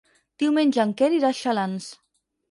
Diumenge en Quer irà a Xalans.